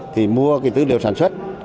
thì mua tư liệu sản xuất